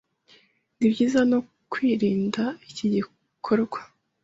ni byiza no kwirinda iki gikorwa.